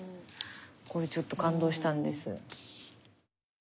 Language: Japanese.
これちょっと感動したんです。